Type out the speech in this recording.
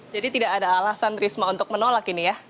jadi tidak ada alasan risma untuk menolak ini ya